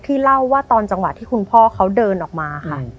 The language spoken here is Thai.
เล่าว่าตอนจังหวะที่คุณพ่อเขาเดินออกมาค่ะ